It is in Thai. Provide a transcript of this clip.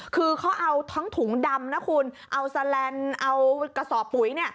คือเขาเอาทั้งถุงดำนะคุณเอาแสลนด์เอากระสอบปุ๋ย